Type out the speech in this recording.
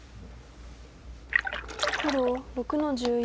黒６の十四。